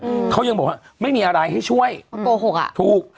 อืมเขายังบอกว่าไม่มีอะไรให้ช่วยเขาโกหกอ่ะถูก